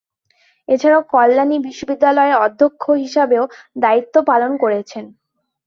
এছাড়াও কল্যাণী বিশ্ববিদ্যালয়ের অধ্যক্ষ হিসাবেও দায়িত্ব পালন করেছেন।